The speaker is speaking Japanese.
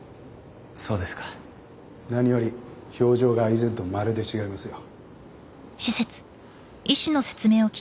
そうですか何より表情が以前とまるで違いますよ